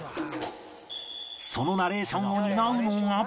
そのナレーションを担うのが